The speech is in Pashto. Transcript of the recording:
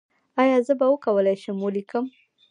ایا زه به وکولی شم ولیکم؟